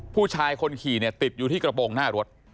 ผู้ชายคนขี่เนี่ยติดอยู่ที่กระโปรงหน้ารถ